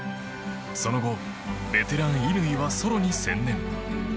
その後、ベテラン乾はソロに専念。